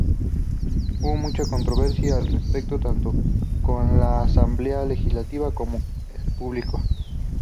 Hubo mucha controversia al respecto, tanto con la asamblea legislativa como con el público.